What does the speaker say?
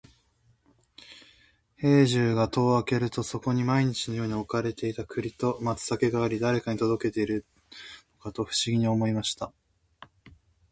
兵十が戸を開けると、そこには毎日のように置かれていた栗と松茸があり、誰が届けているのかと不思議に思いました。